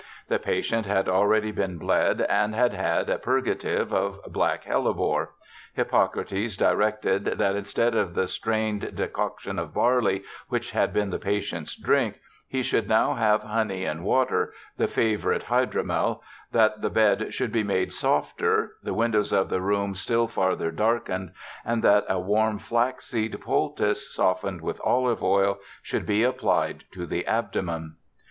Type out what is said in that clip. The patient had already been bled, and had had a purgative of black hellebore. Hippocrates directed, that instead of the strained decoction of barley, which had been the patient's drink, he should now have honey and water — the favorite hydromel — that the bed should be made softer— the windows of the room still farther darkened, and that a warm flax seed poultice, softened with olive oil, should be applied to the abdomen.